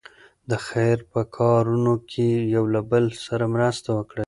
د خیر په کارونو کې یو له بل سره مرسته وکړئ.